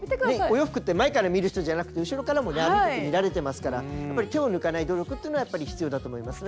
お洋服って前から見る人じゃなくて後ろからもね歩いてて見られてますからやっぱり手を抜かない努力っていうのはやっぱり必要だと思いますね。